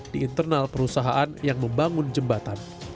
di internal perusahaan yang membangun jembatan